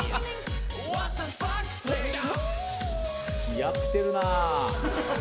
やってるなぁ。